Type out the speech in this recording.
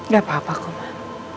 gak apa apa komar